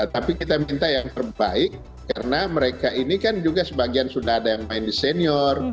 tapi kita minta yang terbaik karena mereka ini kan juga sebagian sudah ada yang main di senior